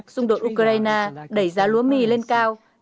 xung đột ukraine đẩy giá lúa mì lên cao